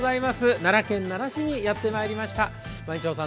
奈良県奈良市にやってきました。